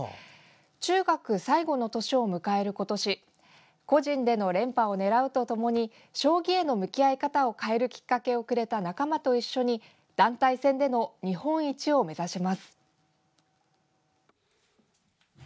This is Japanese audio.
中学最後の年を迎える今年個人での連覇を狙うとともに将棋への向き合い方を変えるきっかけをくれた仲間と一緒に団体戦での日本一を目指します。